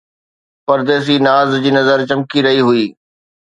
پرديسي ناز جي نظر چمڪي رهي هئي